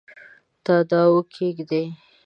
تاداو کښېږدي